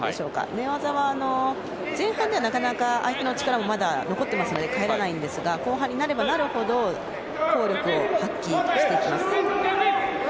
寝技は前半ではなかなか相手の力もまだ残っていますので返らないんですが後半になればなるほど効力を発揮してきます。